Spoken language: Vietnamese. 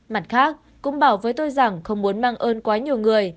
mặt khác cũng bảo với tôi rằng không muốn mang ơn quá nhiều người